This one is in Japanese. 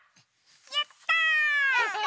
やった！